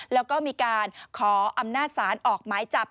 แล้วก็มีการขออำนาจศาลออกหมายจับ